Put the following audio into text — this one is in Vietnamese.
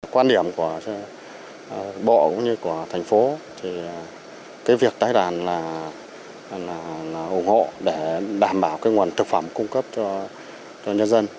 quan điểm của bộ cũng như của thành phố thì cái việc tái đàn là ủng hộ để đảm bảo cái nguồn thực phẩm cung cấp cho nhân dân